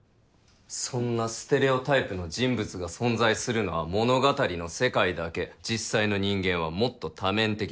そんなステレオタイプの人物が存在するのは物語の世界だけ実際の人間はもっと多面的だ。